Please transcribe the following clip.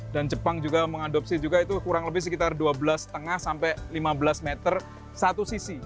dan jepang juga mengadopsi juga itu kurang lebih sekitar dua belas lima sampai lima belas meter satu sisi